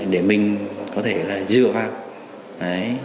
để mình có thể là dựa vào